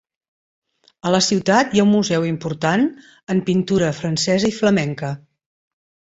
A la ciutat hi ha un museu important en pintura francesa i flamenca.